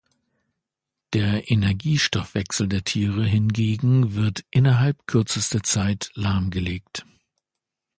Der Energiestoffwechsel der Tiere hingegen wird innerhalb kürzester Zeit lahmgelegt.